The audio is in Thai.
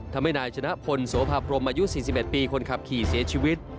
ทำให้นายชนะพลโสภาพรมอายุ๔๑ปีคนขับขี่เสียชีวิต